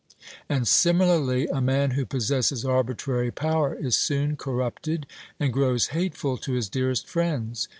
And similarly, a man who possesses arbitrary power is soon corrupted, and grows hateful to his dearest friends.